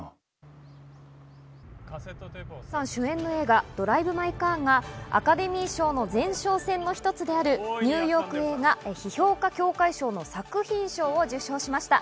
西島秀俊さん主演の映画『ドライブ・マイ・カー』がアカデミー賞の前哨戦の一つである、ニューヨーク映画批評家協会賞の作品賞を受賞しました。